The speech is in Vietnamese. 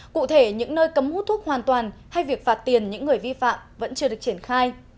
cụ thể những nơi cấm hút thuốc hoàn toàn hay việc phạt tiền những người vi phạm vẫn chưa được triển khai